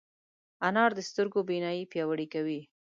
انار د سترګو بینايي پیاوړې کوي.